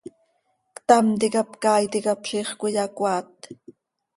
Ctam ticap caay ticap ziix cöiyacoaat.